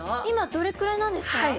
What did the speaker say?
今どれくらいなんですか？